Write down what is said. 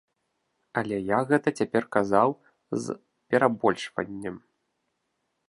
Але я гэта цяпер казаў з перабольшваннем!